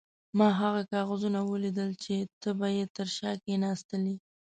ما هغه کاغذونه ولیدل چې ته به یې تر شا کښېناستلې.